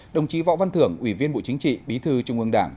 đồng chí võ văn thưởng ủy viên bộ chính trị bí thư trung ương đảng